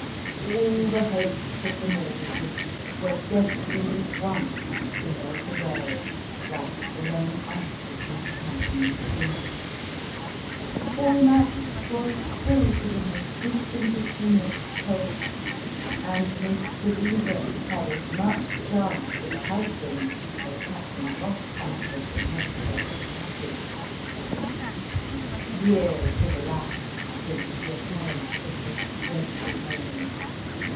All tho hopes of the Maldortons wore destined at once to molt away, like the lemon ices at a Company's dinner ; Almack's was still to them as distant as the North Pole ; and Miss Teresa had as much chance of a husband as Captain Ross had of the north west passage. Years have elapsed since tho occurrence of this dreadful morning.